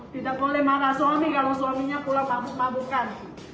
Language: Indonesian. tidak boleh marah suami kalau suaminya pula mabuk mabukan